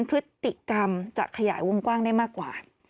พฤติกรรมจะขยายวงกว้างได้มากกว่า